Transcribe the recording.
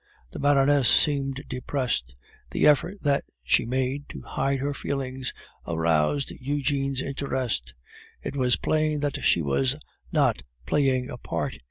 The Baroness seemed depressed. The effort that she made to hide her feelings aroused Eugene's interest; it was plain that she was not playing a part.